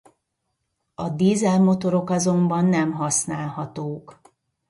A dízelmotorok azonban nem használhatók.